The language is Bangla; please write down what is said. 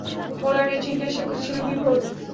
পলায়নের চিন্তায় সে ছিল বিভোর।